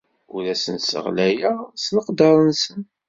Ur asen-sseɣlayeɣ s leqder-nsen.